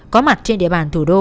có mặt trên địa bàn thủ đô